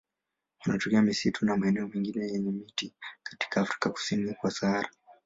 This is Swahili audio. Wanatokea misitu na maeneo mengine yenye miti katika Afrika kusini kwa Sahara.